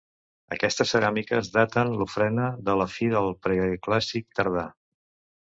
Aquestes ceràmiques daten l'ofrena de la fi del Preclàssic Tardà.